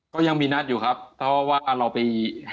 ก็ยังมีนัดอยู่ครับเพราะว่าเราไป